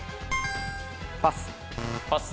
パス！